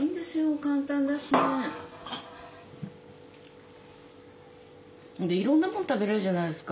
簡単だしね。でいろんなもん食べれるじゃないですか。